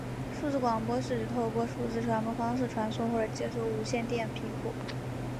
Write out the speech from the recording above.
数字广播是指透过数字传播方式传送或者接收无线电频谱。